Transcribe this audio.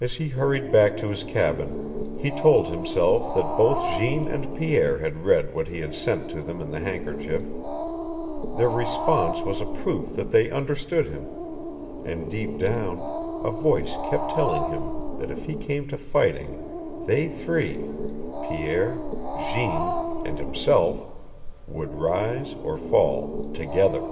As he hurried back to his cabin he told himself that both Jeanne and Pierre had read what he had sent to them in the handkerchief; their response was a proof that they understood him, and deep down a voice kept telling him that if it came to fighting they three, Pierre, Jeanne, and himself, would rise or fall together.